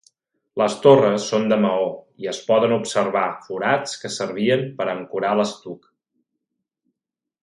Les torres són de maó i es poden observar forats que servien per ancorar l'estuc.